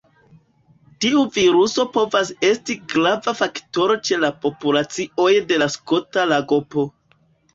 Tiu viruso povas esti grava faktoro ĉe la populacioj de Skota lagopo.